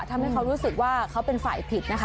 ทำให้เขารู้สึกว่าเขาเป็นฝ่ายผิดนะคะ